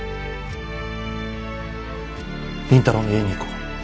倫太郎の家に行こう。